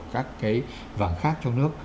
các cái vàng khác trong nước